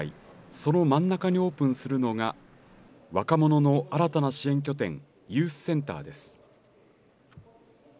その真ん中にオープンするのが若者の新たな支援拠点ユースセンターです。